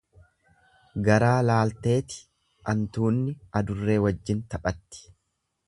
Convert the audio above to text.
Garaa laalteeti antuunni adurree wajjin taphatti.